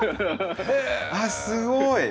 あっすごい！